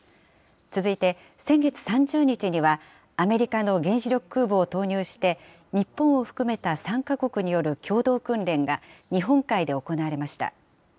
続いて、先月３０日には、アメリカの原子力空母を投入して、日本を含めた３か国による共同訓練が日本海で行われました。